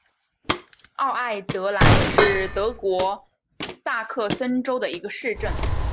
奥埃德兰是德国萨克森州的一个市镇。